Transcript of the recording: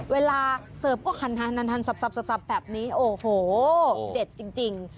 เสิร์ฟก็หันสับแบบนี้โอ้โหเด็ดจริง